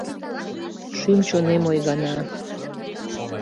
Шӱм-чонем ойгана: